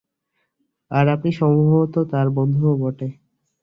আর আপনি সম্ভবত তার বন্ধুও বটে।